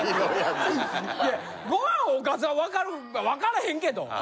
いやご飯おかずはわかるわからへんけど。